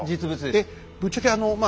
えっぶっちゃけあのまあ